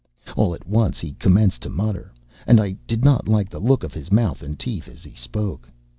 All at once he commenced to mutter, and I did not like the look of his mouth and teeth as he spoke.